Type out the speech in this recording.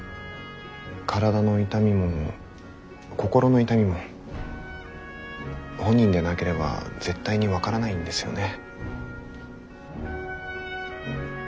体の痛みも心の痛みも本人でなければ絶対に分からないんですよね。